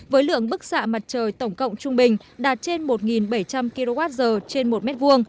với lượng bức xạ mặt trời tổng cộng trung bình đạt trên một bảy trăm linh kwh trên một m hai